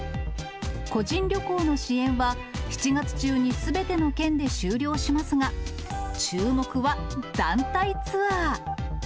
個人旅行の支援は、７月中にすべての県で終了しますが、注目は団体ツアー。